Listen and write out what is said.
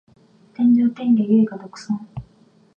天上天下唯我独尊